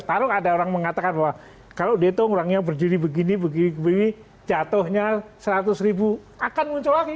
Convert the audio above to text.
taruh ada orang mengatakan bahwa kalau dia itu orangnya berjudi begini begini begini jatuhnya seratus ribu akan muncul lagi